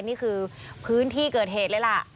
นี่คือพื้นที่เกิดเหตุเลยล่ะ